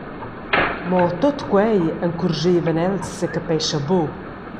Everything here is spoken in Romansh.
Mo tut quei encurschevan els secapescha buc.